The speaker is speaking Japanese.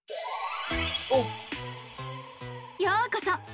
ようこそ！